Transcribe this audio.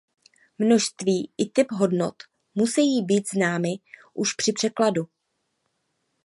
Množství i typ hodnot musejí být známy už při překladu.